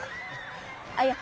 あっいや